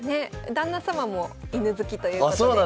旦那様も犬好きということで。